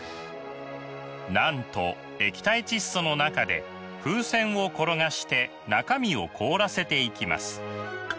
なんと液体窒素の中で風船を転がして中身を凍らせていきます。